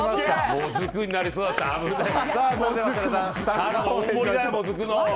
もずくになりそうだった危ねえ！